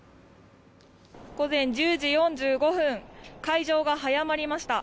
午前１０時４５分、開場が早まりました。